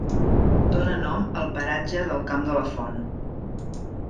Dóna nom al paratge del Camp de la Font.